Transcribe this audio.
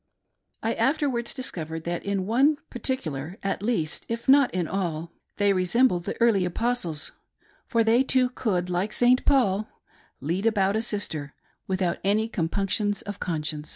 I afterwards discovered that in one particular, at least, if not in all, they resembled the early Apostles, for they too could, like St. Paul, " lead about a sister " without any com punctions of conscience.